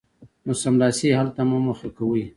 نو سملاسي یې حل ته مه مخه کوئ